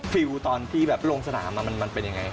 ฟิลตอนที่แบบลงสนามมันเป็นยังไง